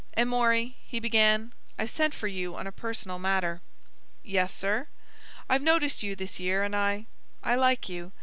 "Amory," he began. "I've sent for you on a personal matter." "Yes, sir." "I've noticed you this year and I—I like you.